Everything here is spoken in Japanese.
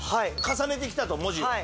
重ねて来たと文字を。